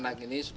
yang positif satu